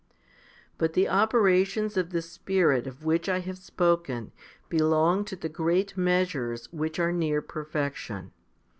10. But the operations of the Spirit of which I have spoken belong to the great measures which are near perfec tion.